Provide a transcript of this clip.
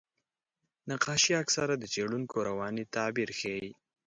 نقاشي اکثره د څېړونکو رواني تعبیر ښيي.